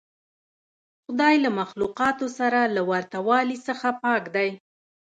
خدای له مخلوقاتو سره له ورته والي څخه پاک دی.